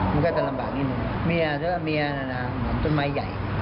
มันก็จะลำบากนิดหนึ่งเมียเหมือนต้นไม้ใหญ่